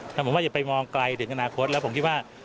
แต่ผมว่าอย่าไปมองไกลเดี๋ยวกับอนาคตแล้วผมคิดว่า